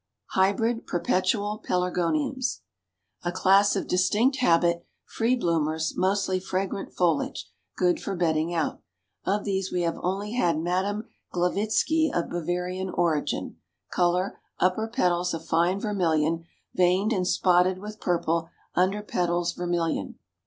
HYBRID PERPETUAL PELARGONIUMS. A class of distinct habit, free bloomers, mostly fragrant foliage, good for bedding out. Of these we have only had Madame Glevitsky of Bavarian origin. Color, upper petals a fine vermilion, veined and spotted with purple, under petals vermilion.